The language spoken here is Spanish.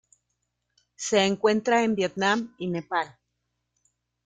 Se encuentra en Vietnam y Nepal.